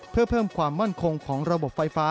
เพื่อเพิ่มความมั่นคงของระบบไฟฟ้า